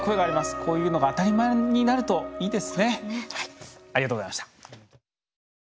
こういうのが当たり前になるといいですね。